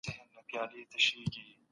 ملکیت د ژوند اساس دی.